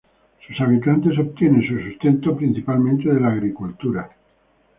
Sus habitantes obtienen su sustento principalmente de la agricultura.